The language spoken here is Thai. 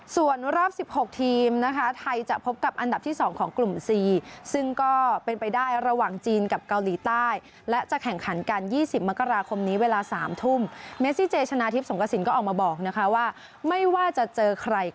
ส่วนรอบสิบหกทีมนะคะไทยจะพบกับอันดับที่สองของกลุ่มสี่